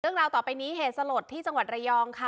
เรื่องราวต่อไปนี้เหตุสลดที่จังหวัดระยองค่ะ